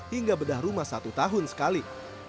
hingga bedah rumah satu tahun sekali